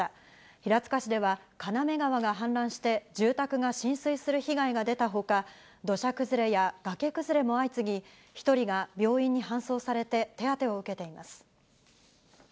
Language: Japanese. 平塚市では金目川が氾濫して、住宅が浸水する被害が出たほか、土砂崩れや崖崩れも相次ぎ、１人が病院に搬送されて、手当てを受けています。